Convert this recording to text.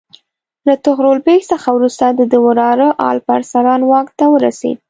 له طغرل بیګ څخه وروسته د ده وراره الپ ارسلان واک ته ورسېد.